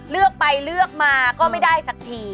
เลือกไปเลือกมาก็ไม่ได้สักที